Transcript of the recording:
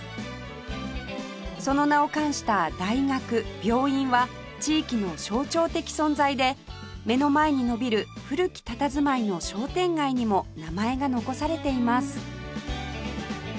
その名を冠した大学病院は地域の象徴的存在で目の前に延びる古きたたずまいの商店街にも名前が残されています